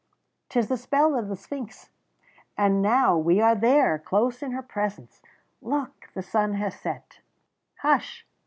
'Tis the spell of the Sphinx, and now we are there, close in her presence. Look, the sun has set.... "Hush!